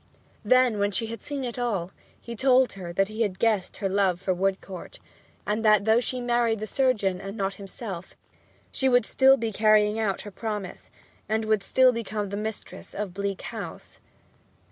Then, when she had seen it all, he told her that he had guessed her love for Woodcourt, and that, though she married the surgeon and not himself, she would still be carrying out her promise and would still become the mistress of "Bleak House."